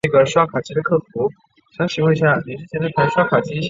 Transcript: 巴西豹蟾鱼的图片